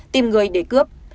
tìm người để cướp